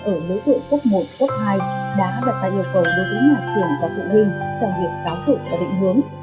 ở lưới tuổi cốc một cốc hai đã đặt ra yêu cầu đối với nhà trường và phụ huynh trong việc giáo dục và định hướng